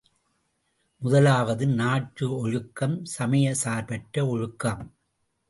முதலாவது நாட்டு ஒழுக்கம் சமயச் சார்பற்ற ஒழுக்கம்.